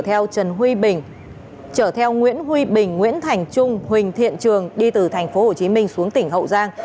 trở theo nguyễn huy bình nguyễn thành trung huỳnh thiện trường đi từ thành phố hồ chí minh xuống tỉnh hậu giang